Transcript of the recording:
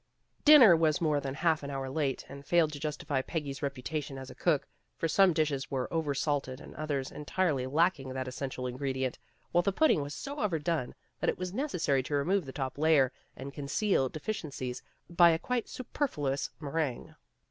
Dinner was more than half an hour late, and failed to justify Peggy's reputation as a cook, for some dishes were over salted and others entirely lacking that essential ingredient, while the pudding was so overdone that it was neces sary to remove the top layer, and conceal de ficiencies by a quite superfluous meringue.